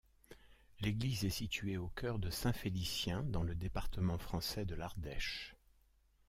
L'église est située au cœur de Saint-Félicien, dans le département français de l'Ardèche.